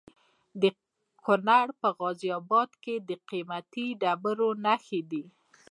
د کونړ په غازي اباد کې د قیمتي ډبرو نښې دي.